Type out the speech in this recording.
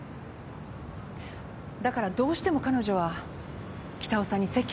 だからどうしても彼女は北尾さんに籍を入れてほしかった。